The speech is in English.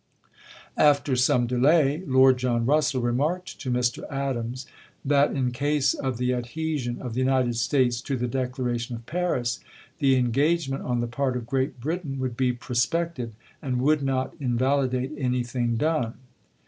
^ After some delay, Lord John Eussell remarked to Mr. Adams that in case of the adhesion of the United States to the Declaration of Paris, the engagement on the part of Great Britain would be prospective and would not invalidate anything done.